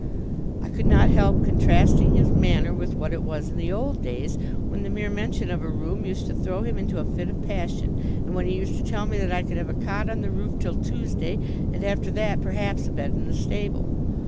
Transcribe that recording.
I could not help contrasting his manner with what it was in the old days, when the mere mention of a room used to throw him into a fit of passion, and when he used to tell me that I could have a cot on the roof till Tuesday, and after that, perhaps, a bed in the stable.